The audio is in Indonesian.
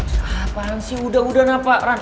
kenapaan sih udah udah pak